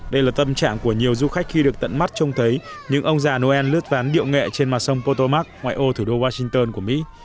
đây là tâm trạng của nhiều du khách khi được tận mắt trông thấy những ông già noel lướt ván điệu nghệ trên mặt sông potomak ngoại ô thủ đô washington của mỹ